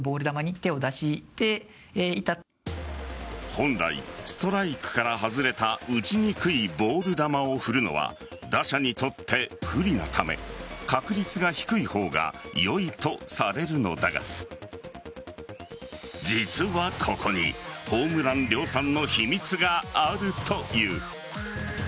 本来、ストライクから外れた打ちにくいボール球を振るのは打者にとって不利なため確率が低い方が良いとされるのだが実はここにホームラン量産の秘密があるという。